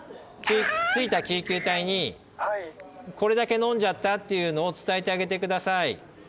着いた救急隊にこれだけ飲んじゃったっていうのを伝えてあげて下さい。